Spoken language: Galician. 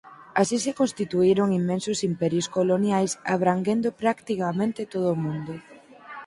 Así se constituíron inmensos imperios coloniais abranguendo practicamente todo o mundo.